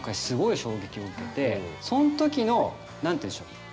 すごい衝撃を受けてそのときの何て言うんでしょう？